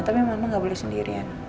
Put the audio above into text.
tapi memang nggak boleh sendirian